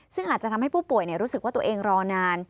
ซึ่งอาจจะทำให้ผู้ป่วยรู้สึกว่าตัวเองรอนาน